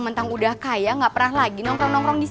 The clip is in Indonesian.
bukannya sombong bukan